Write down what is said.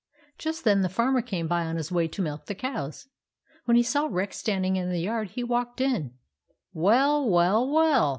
Just then the Farmer came by on his way to milk the cows. When he saw Rex stand ing in the yard he walked in. "Well, well, well!"